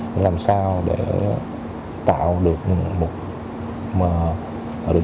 để làm sao để tạo được